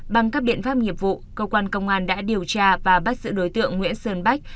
bằng các biện pháp nghiệp vụ cơ quan công an đã điều tra và bắt giữ đối tượng nguyễn sơn bách